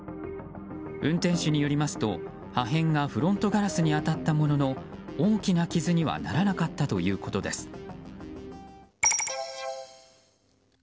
運転手によりますと破片がフロントガラスに当たったものの大きな傷にはならなかったということです。